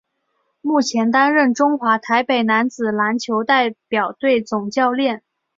目前担任中华台北男子篮球代表队总教练。